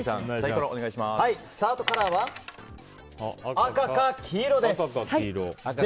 スタートカラーは赤か黄色です。